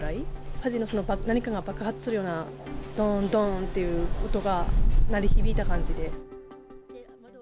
火事の何かが爆発するような、どーんどーんという音が鳴り響いた感じで。